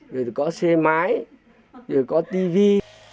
rồi có xe máy rồi có tivi